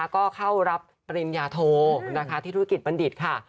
ก็เข้ารับปริญญาโทที่ธุรกิจบัณฑิตค่ะ